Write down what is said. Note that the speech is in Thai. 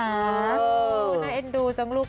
น่าเอ็นดูจังลูก